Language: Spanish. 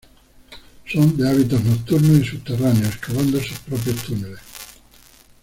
Son de hábitos nocturnos y subterráneos, excavando sus propios túneles.